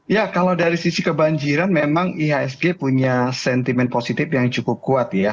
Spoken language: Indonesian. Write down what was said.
ya kalau dari sisi kebanjiran memang ihsg punya sentimen positif yang cukup kuat ya